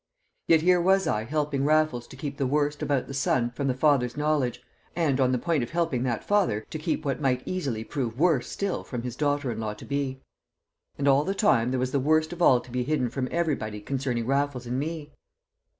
Yet here was I helping Raffles to keep the worst about the son from the father's knowledge, and on the point of helping that father to keep what might easily prove worse still from his daughter in law to be. And all the time there was the worst of all to be hidden from everybody concerning Raffles and me!